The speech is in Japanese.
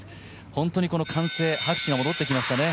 本当にこの歓声拍手が戻ってきましたね。